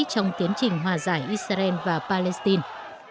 trong tiến trình hòa giải israel và palestine